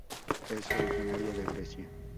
Es originario de Grecia.